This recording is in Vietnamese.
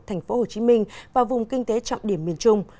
thành phố hồ chí minh và vùng kinh tế trọng điểm miền trung